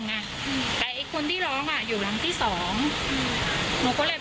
อ่ะอือแต่ไอ้คุณที่ร้องอะอยู่อาหารที่สองอืมหนูก็เลยแบบ